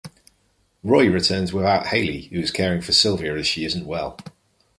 Roy returns without Hayley, who is caring for Sylvia as she isn't well.